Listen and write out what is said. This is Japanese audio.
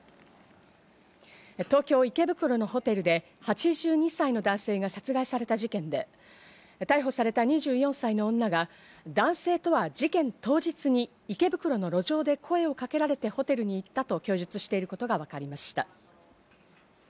東京・池袋のホテルで８２歳の男性が殺害された事件で、逮捕された２４歳の女が男性とは事件当日に池袋の路上で声をかけられてホテルに行ったと供述していることがわかりました。